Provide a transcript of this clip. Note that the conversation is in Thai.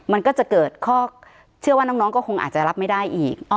มันก็จะเกิดข้อเชื่อว่าน้องก็คงอาจจะรับไม่ได้อีก